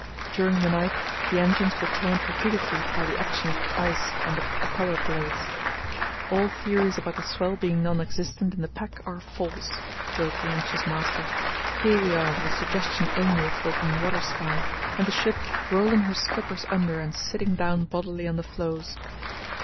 During the night the engines were turned repeatedly by the action of ice on the propeller blades. "All theories about the swell being non existent in the pack are false," wrote the anxious master. "Here we are with a suggestion only of open water sky, and the ship rolling her scuppers under and sitting down bodily on the floes."